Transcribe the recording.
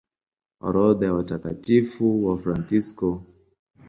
Orodha ya Watakatifu Wafransisko